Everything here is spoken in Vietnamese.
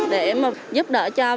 để giúp đỡ cho